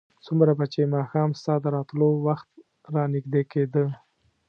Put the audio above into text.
څومره به چې ماښام ستا د راتلو وخت رانږدې کېده.